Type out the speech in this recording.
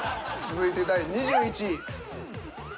続いて第２１位。